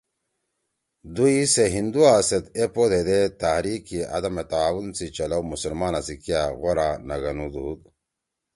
دُوئی سے ہندُوا سیت ایپود ہیدے تحریک عدم تعاون سی چلؤ مسلمانا سی کیا غورا نہ گھنُودُود